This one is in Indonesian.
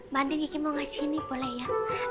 banding lagi mau ngasih ini boleh ya